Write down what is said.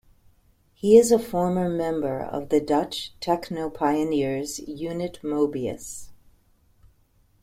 He is a former member of the Dutch techno-pioneers Unit Moebius.